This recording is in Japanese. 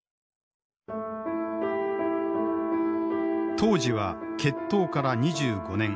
当時は結党から２５年。